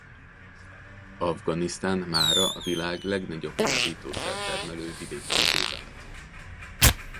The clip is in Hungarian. Afganisztán mára a világ legnagyobb kábítószer-termelő vidékévé vált.